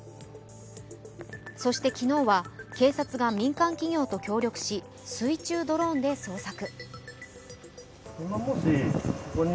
そして昨日は警察が民間企業と協力し水中ドローンで捜索。